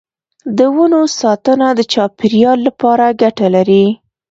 د ونو ساتنه د چاپیریال لپاره ګټه لري.